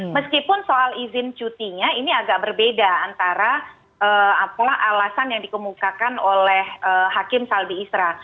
meskipun soal izin cutinya ini agak berbeda antara alasan yang dikemukakan oleh hakim salbi isra